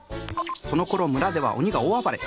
そのころ村では鬼が大暴れ。